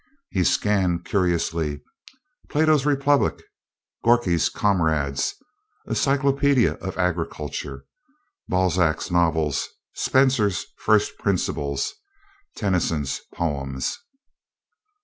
He scanned curiously Plato's Republic, Gorky's "Comrades," a Cyclopædia of Agriculture, Balzac's novels, Spencer's "First Principles," Tennyson's Poems.